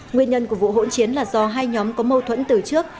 nguyên nhân của vụ hỗn chiến là do hai nhóm có mâu thuẫn từ trước